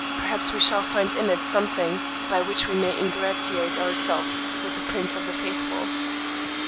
Perhaps we shall find in it something by which we may ingratiate ourselves with the Prince of the Faithful.